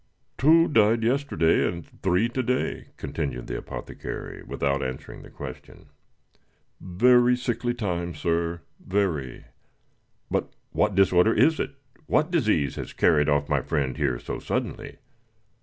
"Two died yesterday, and three to day," continued the apothecary, without answering the question. "Very sickly time, sir very." "But what disorder is it? What disease has carried off my friend here so suddenly?"